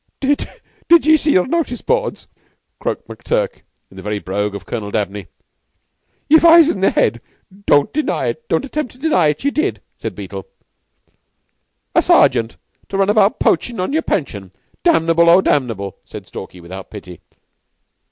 "Did ye see the notice boards?" croaked McTurk, in the very brogue of Colonel Dabney. "Ye've eyes in your head. Don't attempt to deny it. Ye did!" said Beetle. "A sergeant! To run about poachin' on your pension! Damnable, O damnable!" said Stalky, without pity.